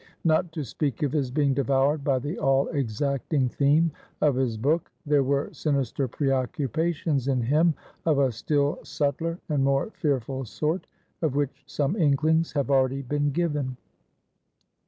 Not to speak of his being devoured by the all exacting theme of his book, there were sinister preoccupations in him of a still subtler and more fearful sort, of which some inklings have already been given.